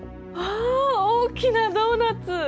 わあ大きなドーナツ！